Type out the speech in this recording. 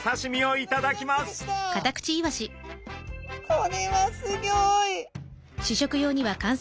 これはすギョい！